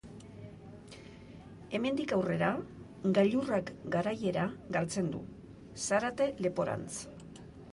Hemendik aurrera, gailurrak garaiera galtzen du, Zarate leporantz.